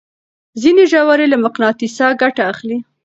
ځينې ژوي له مقناطيسه ګټه اخلي.